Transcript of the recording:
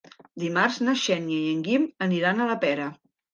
Dimarts na Xènia i en Guim aniran a la Pera.